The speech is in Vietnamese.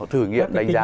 họ thử nghiệm đánh giá